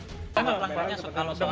apa kelemahannya soal natuna